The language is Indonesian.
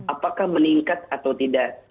apakah meningkat atau tidak